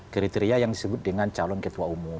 kriteria yang disebut dengan calon ketua umum